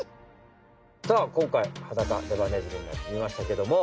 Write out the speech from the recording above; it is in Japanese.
さあこんかいハダカデバネズミになってみましたけども。